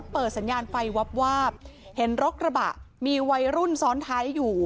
เปิดสัญญาณไฟวับวาบเห็นรถกระบะมีวัยรุ่นซ้อนท้ายอยู่